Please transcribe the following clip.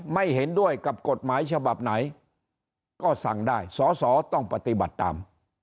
ไม่เห็นด้วยกับกฎหมายฉบับไหนก็สั่งได้สอสอต้องปฏิบัติตาม